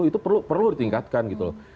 itu perlu ditingkatkan gitu loh